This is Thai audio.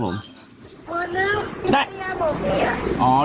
หมดนึงพี่พิธยาบอกเนี่ย